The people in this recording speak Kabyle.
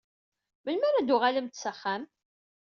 Melmi ara d-tuɣalemt s axxam?